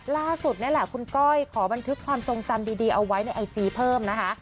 ล่าสุดนี่แหละคุณก้อยขอบันทึกความทรงจำดีเอาไว้ในไอจีเพิ่มนะคะ